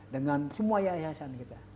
dengan semua yayasan kita